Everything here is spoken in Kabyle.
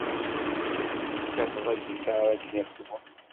Tekkateḍ agiṭaṛ akken iqwem.